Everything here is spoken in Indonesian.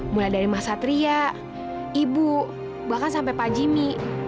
mulai dari mas satria ibu bahkan sampai pak jimmy